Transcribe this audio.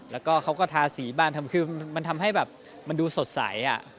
แล้วก็เขาก็ทาสีบ้านทำคือมันทำให้แบบมันดูสดใส